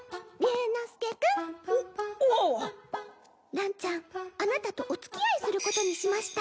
ランちゃんあなたとお付き合いすることにしました。